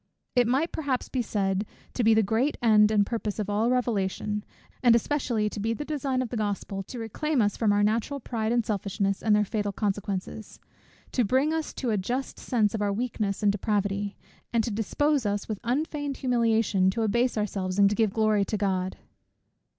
It might perhaps be said to be the great end and purpose of all revelation, and especially to be the design of the Gospel, to reclaim us from our natural pride and selfishness, and their fatal consequences; to bring us to a just sense of our weakness and depravity; and to dispose us, with unfeigned humiliation, to abase ourselves, and give glory to God.